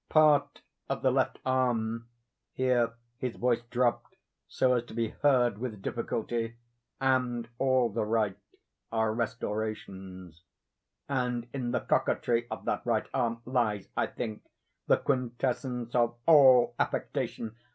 Part of the left arm (here his voice dropped so as to be heard with difficulty,) and all the right, are restorations; and in the coquetry of that right arm lies, I think, the quintessence of all affectation.